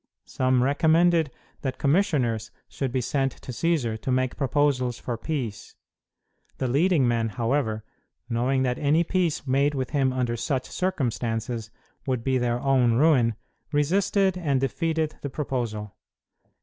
Some recommended that commissioners should be sent to Cćsar to make proposals for peace. The leading men, however, knowing that any peace made with him under such circumstances would be their own ruin, resisted and defeated the proposal.